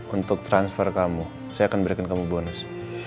untuk transfer kamu saya akan berikan kamu bonus